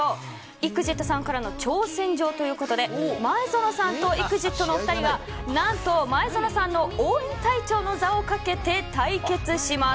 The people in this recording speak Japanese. ＥＸＩＴさんからの挑戦状ということで前園さんとＥＸＩＴのお二人が何と前園さんの応援隊長の座をかけて対決します。